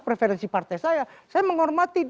preferensi partai saya saya menghormati